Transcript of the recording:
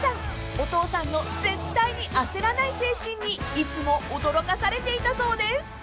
［お父さんの絶対に焦らない精神にいつも驚かされていたそうです］